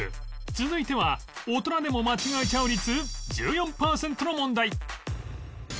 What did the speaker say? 続いては大人でも間違えちゃう率１４パーセントの問題